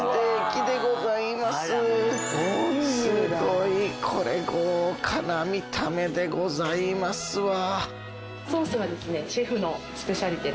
すごいこれ豪華な見た目でございますわ。